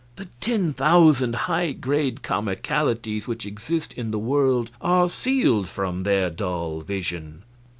The ten thousand high grade comicalities which exist in the world are sealed from their dull vision.